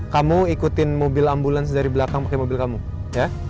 kamu ikutin mobil ambulans dari belakang pakai mobil kamu ya